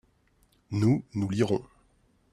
nous, nous lirons.